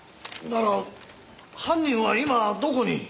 なら犯人は今どこに？